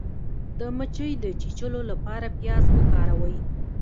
د مچۍ د چیچلو لپاره پیاز وکاروئ